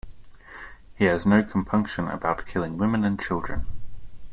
He has no compunction about killing women and children.